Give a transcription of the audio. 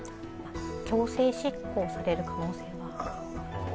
強制執行される可能性はあります。